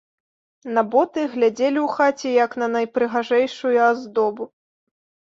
На боты глядзелі ў хаце, як на найпрыгажэйшую аздобу.